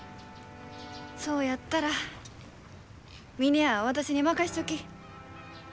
そうやったら峰屋は私に任しちょき。